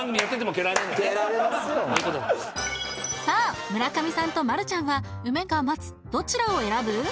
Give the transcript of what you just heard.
さあ村上さんとマルちゃんは梅か松どちらを選ぶ？